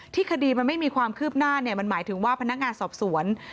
คดีมันไม่มีความคืบหน้ามันหมายถึงว่าพนักงานสอบสวน